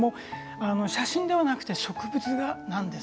写真ではなくて植物画なんです。